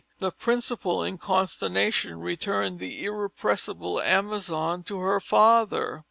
The principal in consternation returned the irrepressible amazon to her father.